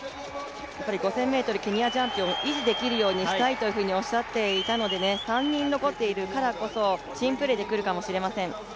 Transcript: ５０００ｍケニアチャンピオンを維持できるようにしたいと話していましたから３人残っているからこそチームプレーでくるかもしれません。